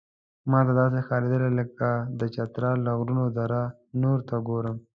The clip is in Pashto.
ماته داسې ښکارېدل لکه د چترال له غرونو دره نور ته ګورم.